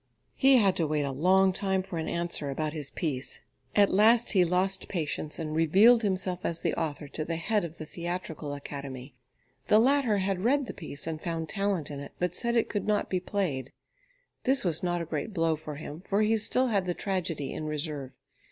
He had to wait long for an answer about his piece. At last he lost patience and revealed himself as the author to the head of the Theatrical Academy. The latter had read the piece and found talent in it, but said it could not be played. This was not a great blow for him, for he still had the tragedy in reserve.